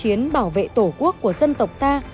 chiến bảo vệ tổ quốc của dân tộc ta